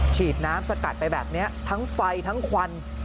ฉีดน้ำสกัดไปแบบนี้ทั้งไฟทั้งควัน